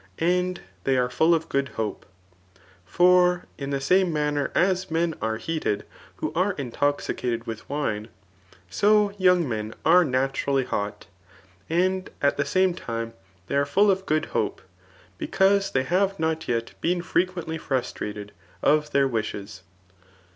And they are full of good hope ; for in the same maimer as men [are heated] who are intoxicated with wine^ so young men are naturally hot; and at the same thne they are full of good hope, because they have not yet been frequently frustrated of their wishes.